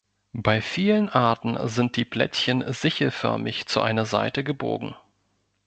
Bei vielen Arten sind die Blättchen sichelförmig zu einer Seite gebogen.